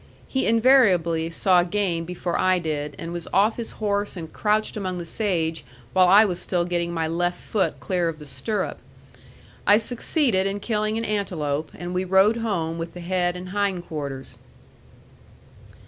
He invariably saw game before I did, and was off his horse and crouched among the sage while I was still getting my left foot clear of the stirrup. I succeeded in killing an antelope, and we rode home with the head and hind quarters.